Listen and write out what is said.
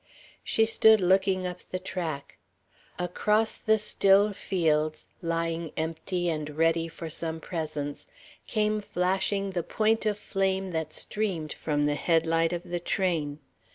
She stood looking up the track. Across the still fields, lying empty and ready for some presence, came flashing the point of flame that streamed from the headlight of the train.